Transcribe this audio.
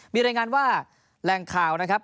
มีรายงานว่าแหล่งข่าวนะครับ